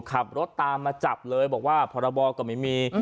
ขับรถตามมาจับเลยบอกว่าพรบก็ไม่มี